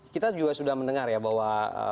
kita juga sudah mendengar ya bahwa